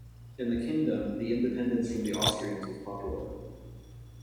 In the kingdom, the independence from the Austrians was popular.